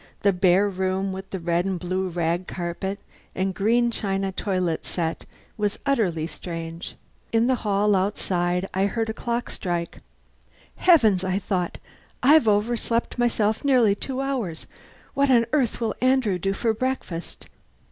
The bare room with the red and blue rag carpet and green china toilet set was utterly strange. In the hall outside I heard a clock strike. "Heavens!" I thought, "I've overslept myself nearly two hours. What on earth will Andrew do for breakfast?"